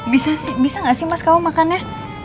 bisa sih bisa nggak sih mas kamu makan ya